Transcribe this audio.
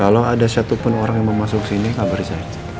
kalau ada satupun orang yang mau masuk sini kabar saya